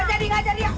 gak jadi gak jadi ya